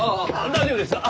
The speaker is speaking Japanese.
大丈夫ですか？